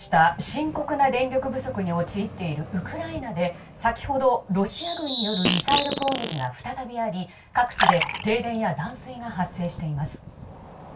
深刻な電力不足に陥っているウクライナで先ほど、ロシア軍によるミサイル攻撃が再びあり各地で停電や断水が発生しています。